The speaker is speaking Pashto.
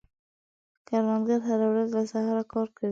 کروندګر هره ورځ له سهاره کار کوي